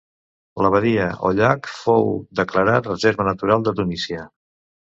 La badia o llac fou declarat reserva natural de Tunísia.